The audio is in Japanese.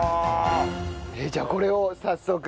じゃあこれを早速。